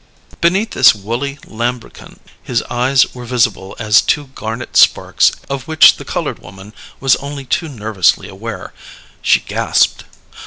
Beneath this woolly lambrequin his eyes were visible as two garnet sparks of which the coloured woman was only too nervously aware. She gasped.